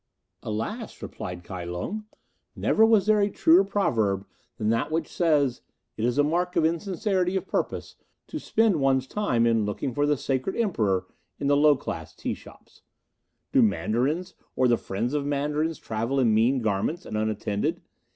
"Alas!" replied Kai Lung, "never was there a truer proverb than that which says, 'It is a mark of insincerity of purpose to spend one's time in looking for the sacred Emperor in the low class tea shops.' Do Mandarins or the friends of Mandarins travel in mean garments and unattended?